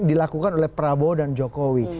dilakukan oleh prabowo dan jokowi